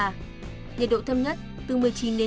nhiệt độ thâm nhất từ một mươi chín hai mươi hai độ